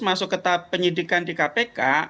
masuk ke tahap penyidikan di kpk